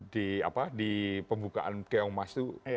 di apa di pembukaan keong emas itu